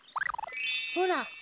ほら。